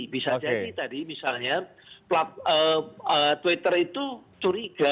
bisa jadi tadi misalnya twitter itu curiga dengan akun